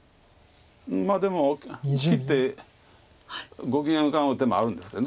まあでも切ってご機嫌をうかがう手もあるんですけど。